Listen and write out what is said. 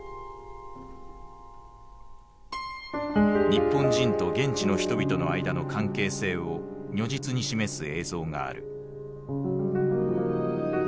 日本人と現地の人々の間の関係性を如実に示す映像がある。